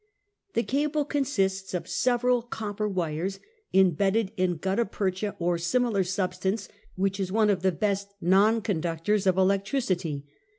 The cable consists of several copper wires imbedded in gutta percha or similar substance, which is one of the best nonconductors of electricity.